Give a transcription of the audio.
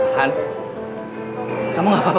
han kamu gak apa apa